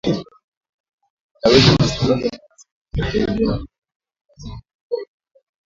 wanaweza kusambaza virusi vya tetekuwanga